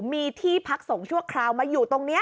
มีที่พักส่งชั่วคราวมาอยู่ตรงนี้